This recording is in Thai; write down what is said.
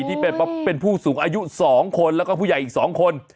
ที่เป็นผู้สูงอายุ๒คนแล้วก็ผู้ใหญ่อีก๒คน